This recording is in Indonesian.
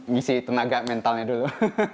ngisi tenaga mentalnya dulu